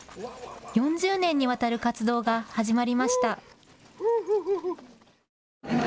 ４０年にわたる活動が始まりました。